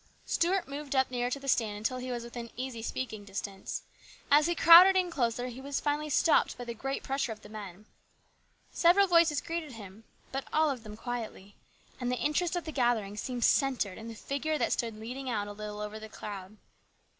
Stuart moved up nearer to the stand until he was within easy speaking distance. As he crowded in closer he was finally stopped by the great pressure of the men. Several voices greeted him, but all of them quietly ; and the interest of the gathering seemed centred in the figure that stood leaning out a little over the crowd.